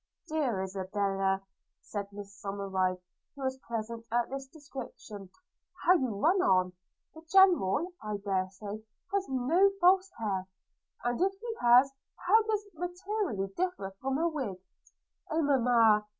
– 'Dear Isabella,' said Mrs Somerive, who was present at this description, 'how you run on! The General, I dare say, has no false hair; and if he has, how does it materially differ from a wig?' 'Oh mamma!'